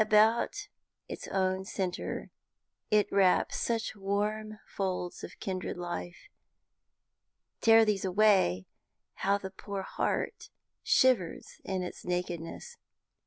About its own centre it wraps such warm folds of kindred life. Tear these away, how the poor heart shivers in its nakedness.